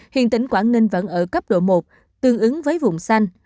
hiện tỉnh quảng ninh vẫn ở cấp độ một tương ứng với vùng xanh